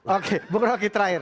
oke berhenti terakhir